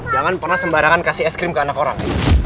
jangan pernah sembarangan kasih es krim ke anak orang